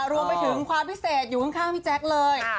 รวมไปถึงความพิเศษอยู่ข้างพี่แจ๊คเลย